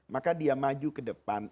maka dia maju ke depan